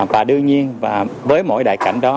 và đương nhiên với mỗi đài cảnh đó